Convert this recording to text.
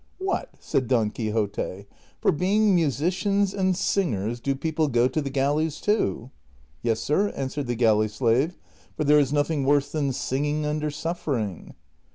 '■'■ What !" said Don Quixote, " for being musicians and sing ers do people go to the galleys too ?"" Yes, sir," answered the galley slave, " for there is nothing worse than singing under suffering."